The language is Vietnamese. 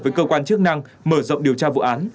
với cơ quan chức năng mở rộng điều tra vụ án